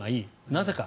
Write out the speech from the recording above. なぜか。